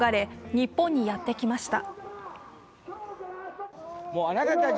日本にやってきました。